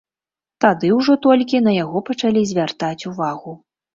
Тады ўжо толькі на яго пачалі звяртаць увагу.